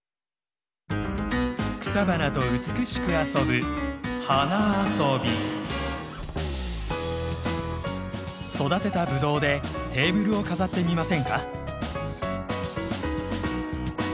草花と美しく遊ぶ育てたブドウでテーブルを飾ってみませんか？